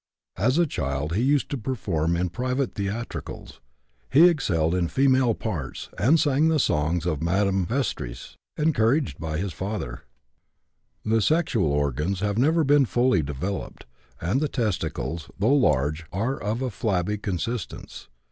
As a child, he used to perform in private theatricals; he excelled in female parts, and sang the songs of Madame Vestris, encouraged in this by his father. The sexual organs have never been fully developed, and the testicles, though large, are of a flabby consistence.